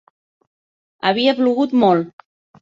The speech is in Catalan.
Havia plogut molt.